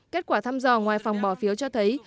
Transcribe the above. kết quả thăm dò ngoài phòng bỏ phiếu cho thấy